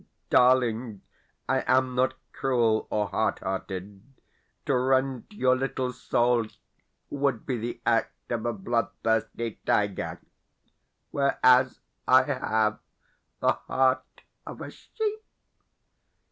Darling, I am not cruel or hardhearted. To rend your little soul would be the act of a blood thirsty tiger, whereas I have the heart of a sheep.